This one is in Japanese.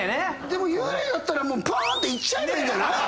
でも幽霊だったらパンって行っちゃえばいいんじゃない？